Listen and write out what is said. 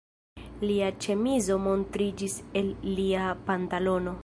Lia ĉemizo montriĝis el lia pantalono.